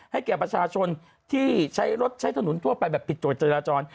ให้แก่ประชาชนที่ใช้รถใช้ถนนทั่วไปผิดทวดแจรจร